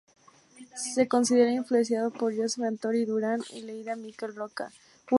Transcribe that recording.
Se considera influenciado por Josep Antoni Durán i Lleida y Miquel Roca.